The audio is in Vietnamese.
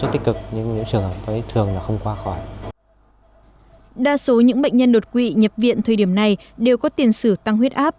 đa số những bệnh nhân đột quỵ nhập viện thời điểm này đều có tiền sử tăng huyết áp